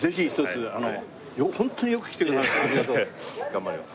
頑張ります。